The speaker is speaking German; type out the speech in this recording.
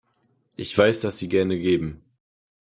Ich weiß, dass Sie gerne geben.